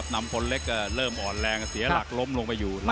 นำพลเล็กก็เริ่มอ่อนแรงเสียหลักล้มลงไปอยู่